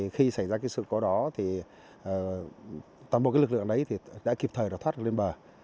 khi xảy ra sự cố đó toàn bộ lực lượng đã kịp thời thoát lên bờ